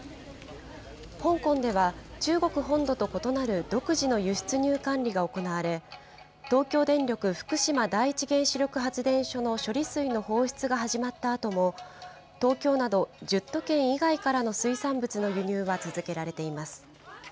香港では、中国本土と異なる独自の輸出入管理が行われ、東京電力福島第一原子力発電所の処理水の放出が始まったあとも、東京など１０都県以外からの水産物の輸入が続けられています。